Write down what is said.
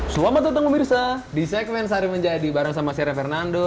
selamat datang ke mirsa di segmen sari menjadi bareng sama sire fernando